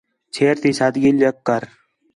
چھیر تی سادگی لَکھ کر